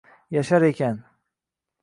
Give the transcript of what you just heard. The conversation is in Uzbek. Yashar ekan